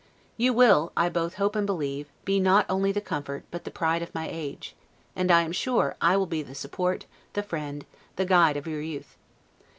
You will, I both hope and believe, be not only the comfort, but the pride of my age; and, I am sure, I will be the support, the friend, the guide of your youth.